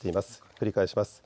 繰り返します。